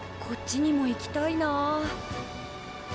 こっちにも行きたいな。